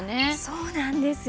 そうなんですよ。